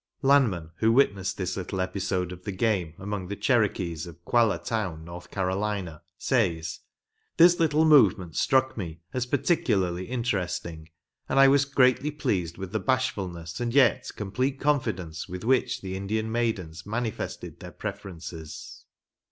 Lanman, who witnessed this little episode of the game among the Cherokees of Qualla town, North Carolina, says: "This little movement struck me as particularly interesting, and I was greatly pleased with the bashfulness and yet complete confidence with which the Indian maidens manifested their preferences."